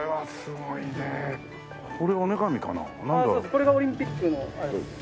これがオリンピックのあれです。